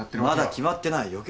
まだ決まってない。